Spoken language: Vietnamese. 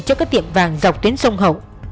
cho các tiệm vàng dọc tuyến sông hậu